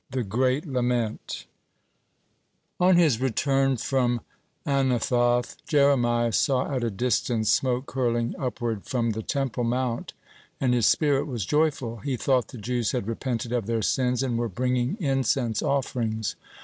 (30) THE GREAT LAMENT On his return from Anathoth, Jeremiah saw, at a distance, smoke curling upward from the Temple mount, and his spirit was joyful. He thought the Jews had repented of their sins, and were bringing incense offerings.